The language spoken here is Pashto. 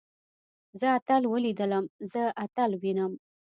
زه اتل وليدلم. زه اتل وينم.